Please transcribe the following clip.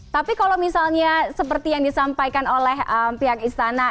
tapi kalau misalnya seperti yang disampaikan oleh pihak istana